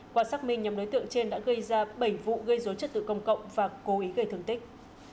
qua xác minh nhóm đối tượng trên đã gây ra bảy vụ gây dối trật tự công cộng và cố ý gây thương tích